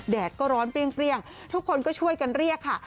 แดดก็ร้อนเปรี้ยงทุกคนก็ช่วยกันเรียกค่ะ